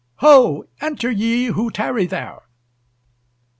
Ho! enter ye who tarry there!